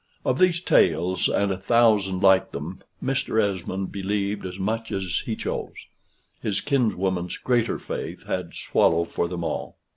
Of these tales, and a thousand like them, Mr. Esmond believed as much as he chose. His kinswoman's greater faith had swallow for them all.